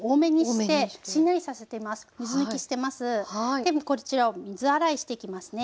でこちらを水洗いしていきますね。